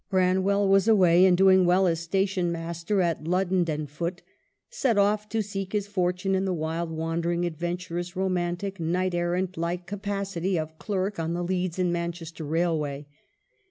Bran well was away and doing well as station master at Luddendenfoot, "set off to seek his fortune in the wild, wandering, adventurous, romantic, knight errant like capa city of clerk on the Leeds and Manchester Rail way."